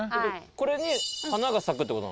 これに花が咲くってこと？